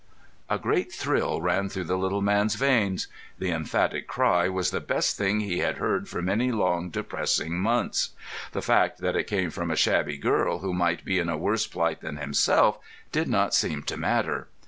A great thrill ran through the little man's veins. The emphatic cry was the best thing he had heard for many long, depressing months. The fact that it came from a shabby girl who might be in a worse plight than himself did not seem to matter.